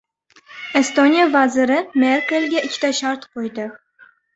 Estoniya vaziri Merkelga ikkita shart qo‘ydi